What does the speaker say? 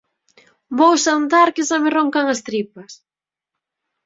Vou xantar que xa me roncan as tripas